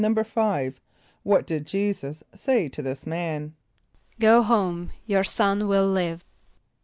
= =5.= What did J[=e]´[s+]us say to this man? ="Go home; your son will live."